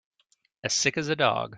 As sick as a dog.